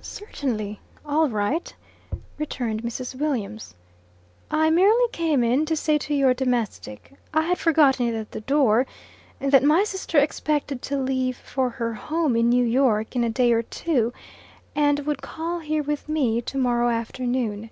"Certainly all right," returned Mrs. Williams, "I merely came in to say to your domestic (I had forgotten it at the door) that my sister expected to leave for her home in New York in a day or two, and would call here with me, to morrow afternoon."